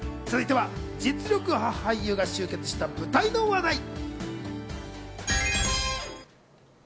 続いては、実力派俳優が集結した舞台の話題。